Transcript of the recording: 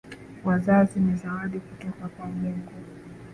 Wazazi ni zawadi kutoka kwa Mungu